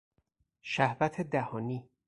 شهوت دهانی